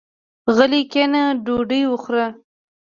غلی کېنه ډوډۍ وخوره.